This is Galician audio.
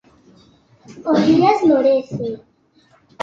O día esmorece.